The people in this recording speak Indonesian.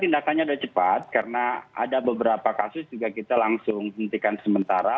tindakannya sudah cepat karena ada beberapa kasus juga kita langsung hentikan sementara